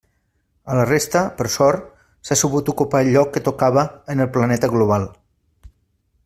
A la resta, per sort, s'ha sabut ocupar el lloc que tocava en el planeta global.